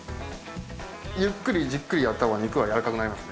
ゆっくりじっくりやったほうが肉は柔らかくなりますね。